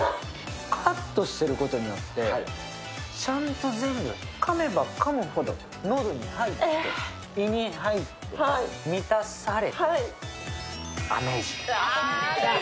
カットしてることによってちゃんと全部、かめばかむほどのどに入って胃に入って、満たされＡｍａｚｉｎｇ！！